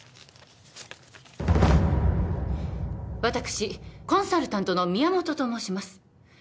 私コンサルタントの宮本と申します